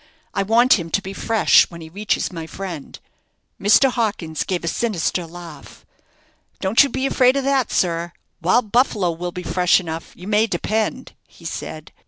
I want him to be fresh when he reaches my friend." Mr. Hawkins gave a sinister laugh. "Don't you be afraid of that, sir. 'Wild Buffalo' will be fresh enough, you may depend," he said.